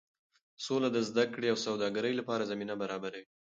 سوله د زده کړې او سوداګرۍ لپاره زمینه برابروي.